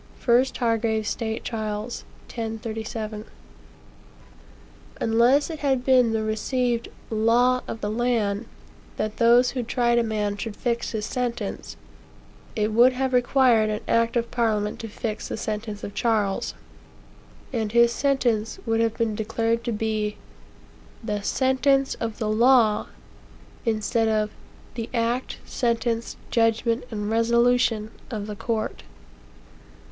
1 Hargrave's State Trials, 1037. Unless it had been the received "law of the land" that those who tried a man should fix his sentence, it would have required an act of Parliament to fix the sentence of Charles, and his sentence would have been declared to be "the sentence of the law," instead of "the act, sentence, judgment, and resolution of the court."